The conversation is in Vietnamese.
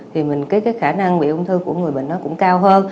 thì mình cái khả năng bị ung thư của người bệnh đó cũng cao hơn